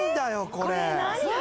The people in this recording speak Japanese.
これ。